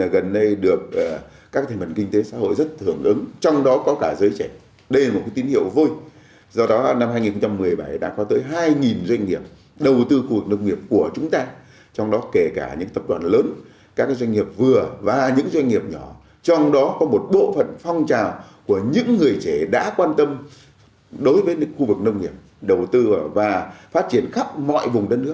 giải pháp cụ thể năm hai nghìn một mươi bảy đã có gần hai doanh nghiệp thành lập mới